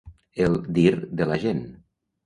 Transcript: El dir de la gent.